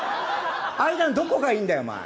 相田のどこがいいんだよ、お前。